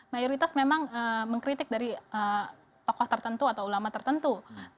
mayoritas memang mengkritik dari tokoh tertentu atau ulama tertentu